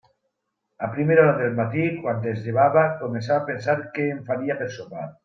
A primera hora del matí, quan es llevava, començava a pensar què em faria per sopar.